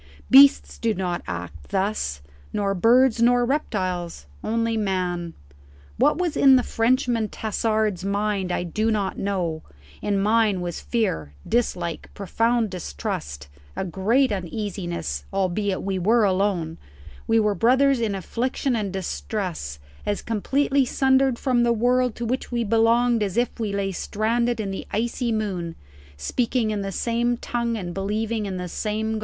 Beasts do not act thus, nor birds, nor reptiles only man. What was in the Frenchman Tassard's mind I do not know; in mine was fear, dislike, profound distrust, a great uneasiness, albeit we were alone, we were brothers in affliction and distress, as completely sundered from the world to which we belonged as if we lay stranded in the icy moon, speaking in the same tongue and believing in the same God!